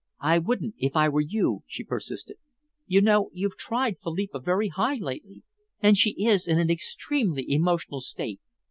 "I wouldn't if I were you," she persisted. "You know, you've tried Philippa very high lately, and she is in an extremely emotional state.